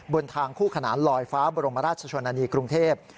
บนทางคู่ขนานลอยฟ้าบรมราชชนนานีกรุงเทพ